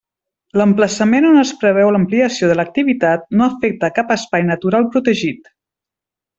L'emplaçament on es preveu l'ampliació de l'activitat no afecta cap espai natural protegit.